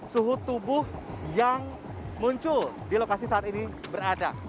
suhu tubuh yang muncul di lokasi saat ini berada